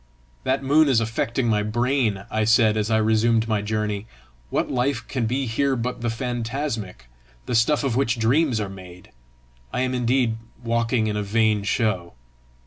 "That moon is affecting my brain," I said as I resumed my journey. "What life can be here but the phantasmic the stuff of which dreams are made? I am indeed walking in a vain show!"